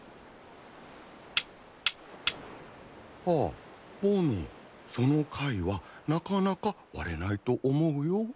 あっぼのその貝はなかなか割れないと思うよ。